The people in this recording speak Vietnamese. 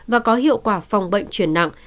và có hiệu quả phòng bệnh truyền nặng